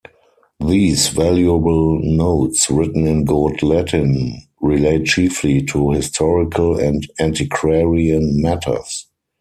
These valuable notes, written in good Latin, relate chiefly to historical and antiquarian matters.